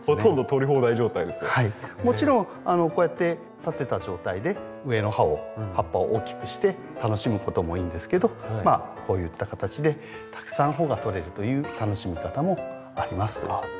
もちろんこうやって立てた状態で上の葉を葉っぱを大きくして楽しむこともいいんですけどまあこういった形でたくさん穂が取れるという楽しみ方もありますという。